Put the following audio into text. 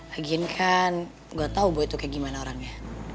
lagian kan gue tau boy itu kayak gimana orangnya